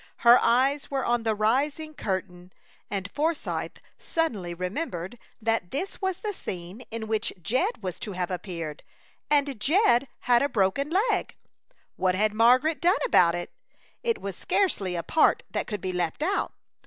Her eyes were on the rising curtain, and Forsythe suddenly remembered that this was the scene in which Jed was to have appeared and Jed had a broken leg! What had Margaret done about it? It was scarcely a part that could be left out.